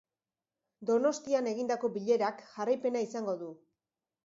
Donostian egindako bilerak jarraipena izango du.